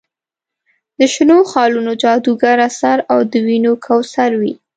د شنو خالونو جادوګر اثر او د ونیو کوثر وي.